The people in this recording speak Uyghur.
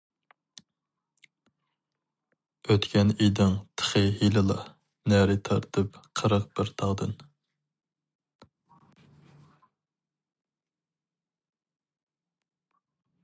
ئۆتكەن ئىدىڭ تېخى ھېلىلا، نەرى تارتىپ قىرىق بىر تاغدىن.